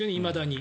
いまだに。